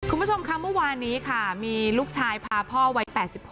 คุณผู้ชมค่ะเมื่อวานนี้ค่ะมีลูกชายพาพ่อวัย๘๖